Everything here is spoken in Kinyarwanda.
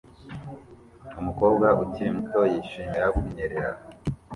Umukobwa ukiri muto yishimira kunyerera